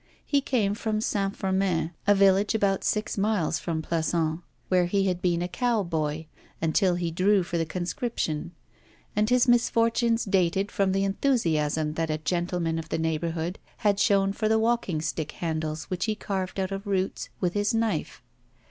He came from Saint Firmin, a village about six miles from Plassans, where he had been a cow boy, until he drew for the conscription; and his misfortunes dated from the enthusiasm that a gentleman of the neighbourhood had shown for the walking stick handles which he carved out of roots with his knife.